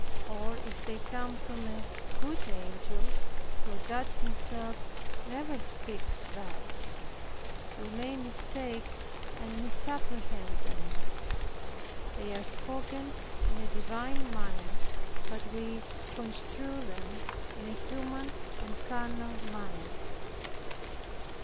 Or if they come from a good angel (for God Himself never speaks thus) we may mistake and misapprehend them. They are spoken in a divine manner, but we construe them in a human and carnal manner.